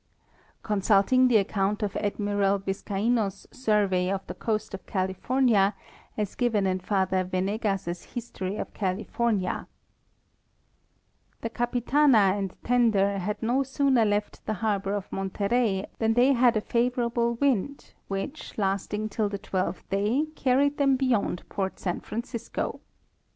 Consulting the account of Admiral Viscaino's survey of the coast of California as given in Father Venegas's History of Cali fornia :* The Capitana and tender had no sooner left the harbor of Monterey than they had a favorable wind, which, lasting till the twelfth day, car ried them beyond port St Francisco.